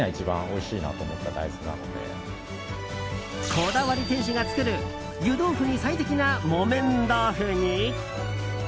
こだわり店主が作る湯豆腐に最適な木綿豆腐に。